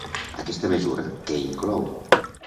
Aquesta mesura, què inclou?